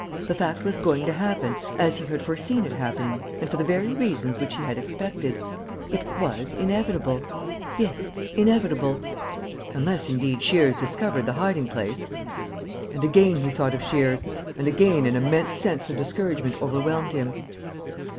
The fact was going to happen as he had foreseen it happening and for the very reasons which he had expected. It was inevitable. ... Yes, inevitable. Unless, indeed, Shears discovered the hiding place. ... And again he thought of Shears; and again an immense sense of discouragement overwhelmed him.